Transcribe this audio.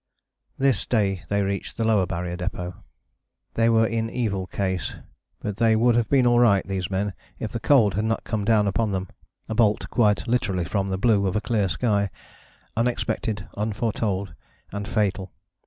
" This day they reached the Lower Barrier Depôt. [Illustration: SLEDGING IN A HIGH WIND E. A. Wilson, del.] They were in evil case, but they would have been all right, these men, if the cold had not come down upon them, a bolt quite literally from the blue of a clear sky: unexpected, unforetold and fatal.